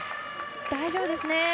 大丈夫ですね。